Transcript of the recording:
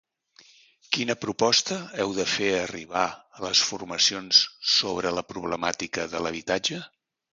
Quina proposta heu fet arribar a les formacions sobre la problemàtica de l’habitatge?